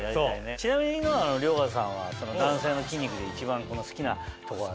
ちなみに遼河さんは男性の筋肉で一番好きな所は？